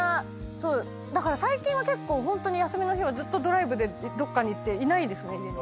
だから最近は休みの日はずっとドライブでどっかに行っていないですね家に。